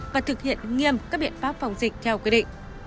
và thực hiện nghiêm các biện pháp phòng dịch theo quy định